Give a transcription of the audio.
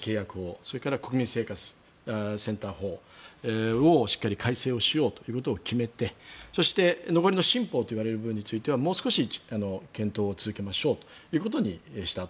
それから国民生活センター法をしっかり改正をしようということを決めてそして、残りの新法といわれる部分についてはもう少し検討を続けましょうということにしたと。